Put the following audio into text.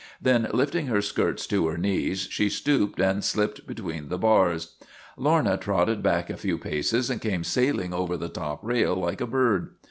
Then, lifting her skirts to her knees, she stooped and slipped between the bars. Lorna trotted back a few paces and came sailing over the top rail like a bird.